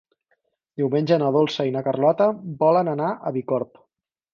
Diumenge na Dolça i na Carlota volen anar a Bicorb.